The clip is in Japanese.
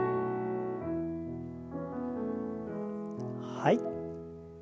はい。